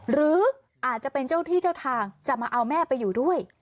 หรืออาจจะเป็นเจ้าที่เจ้าทางจะมาเอาแม่ไปอยู่ด้วย